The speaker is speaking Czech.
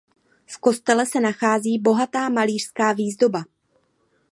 V kostele se nachází bohatá malířská výzdoba.